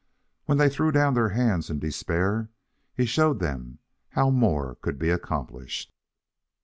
When they threw down their hands in despair, he showed them how more could be accomplished.